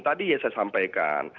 tadi saya sampaikan